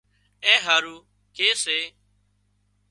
اين هارو ڪي سي